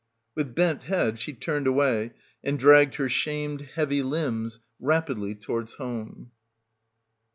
With bent head she turned away and dragged her shamed heavy limbs rapidly towards home.